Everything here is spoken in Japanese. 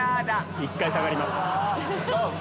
１回下がります。